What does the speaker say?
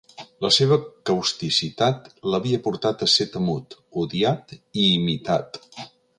La seva causticitat l'havia portat a ser temut, odiat i imitat.